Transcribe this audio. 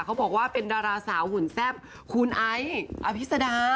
เขาบอกว่าเป็นดาราสาวหุ่นแซ่บคุณไอซ์อภิษดา